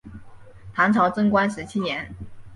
唐朝贞观十七年。